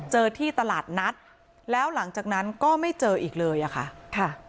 เจอที่ตลาดนัดแล้วหลังจากนั้นก็ไม่เจออีกเลยอะค่ะ